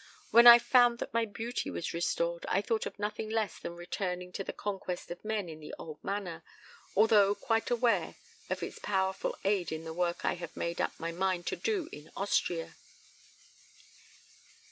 When I found that my beauty was restored I thought of nothing less than returning to the conquest of men in the old manner, although quite aware of its powerful aid in the work I have made up my mind to do in Austria.